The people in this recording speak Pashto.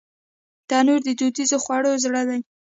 تنور د دودیزو خوړو زړه دی